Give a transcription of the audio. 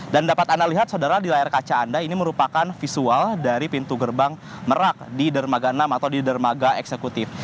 dan dapat anda lihat saudara di layar kaca anda ini merupakan visual dari pintu gerbang merak di dermaga enam atau di dermaga eksekutif